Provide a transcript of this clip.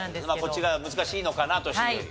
こっちが難しいのかなとＣより。